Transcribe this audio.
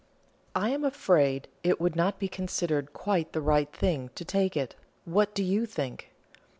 I am afraid it would not be considered quite the right thing to take it; what do you think?"